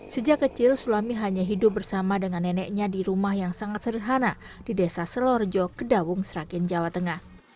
sejak kecil sulami hanya hidup bersama dengan neneknya di rumah yang sangat sederhana di desa selorjo kedawung seragen jawa tengah